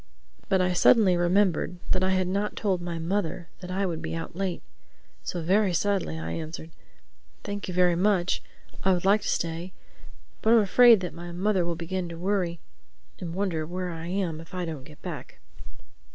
But I suddenly remembered that I had not told my mother that I would be out late. So very sadly I answered, "Thank you very much. I would like to stay, but I am afraid that my mother will begin to worry and wonder where I am if I don't get back."